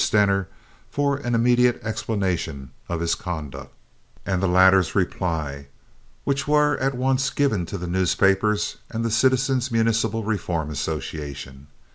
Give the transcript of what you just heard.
Stener for an immediate explanation of his conduct, and the latter's reply, which were at once given to the newspapers and the Citizens' Municipal Reform Association.